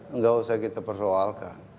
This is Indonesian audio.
enggak usah kita persoalkan